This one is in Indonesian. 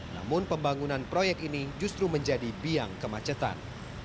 namun pembangunan proyek ini justru menjadi biang kemacetan